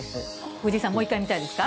藤井さん、もう一回見たいですか？